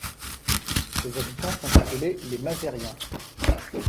Ses habitants sont appelés les Mazèriens.